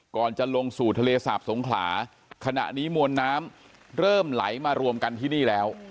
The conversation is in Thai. ก่อนจะลงสู่ทะเลสาบสงขลาขณะนี้มวลน้ำเริ่มไหลมารวมกันที่นี่แล้ว